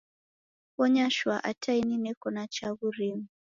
Bonya shwaa ata ini neko na chaghu rimu.